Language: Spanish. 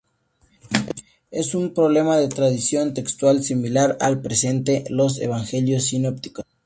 Es un problema de tradición textual similar al que presentan los Evangelios Sinópticos.